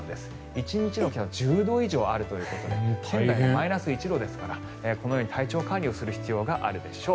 １日の気温差１０度以上あるということで新潟ではマイナス１度ですから体調管理をする必要があるでしょう。